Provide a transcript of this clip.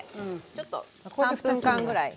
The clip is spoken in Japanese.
ちょっと３分間ぐらい。